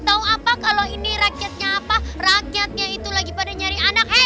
tahu apa kalau ini rakyatnya apa rakyatnya itu lagi pada nyari anak hea